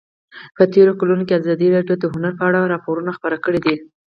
په تېرو کلونو کې ازادي راډیو د هنر په اړه راپورونه خپاره کړي دي.